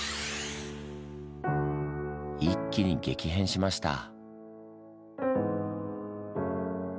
一気に激変しました。